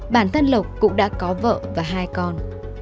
bản thân lộc cũng đã có vợ và hai con